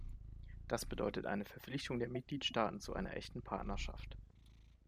Das bedeutet eine Verpflichtung der Mitgliedstaaten zu einer echten Partnerschaft.